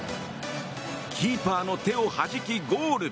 キーパーの手をはじきゴール！